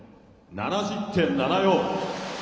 ７０．７４。